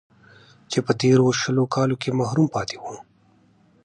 چې په تېرو شل کالو کې محروم پاتې و